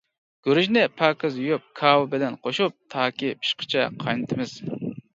گۈرۈچنى پاكىز يۇيۇپ، كاۋا بىلەن قوشۇپ تاكى پىشقىچە قاينىتىمىز.